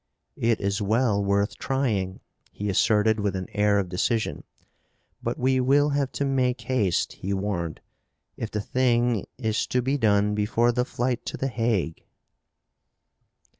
"It is well worth trying," he asserted with an air of decision. "But we will have to make haste," he warned, "if the thing is to be done before the flight to The Hague."